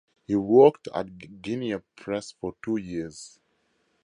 He worked at Guinea Press for two years.